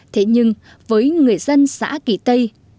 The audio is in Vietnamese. thế nhưng với người dân xã kỳ tây